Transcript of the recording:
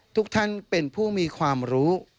ทุกท่านเป็นผู้มีความรู้